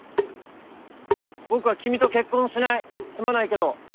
僕は君と結婚しないすまないけど。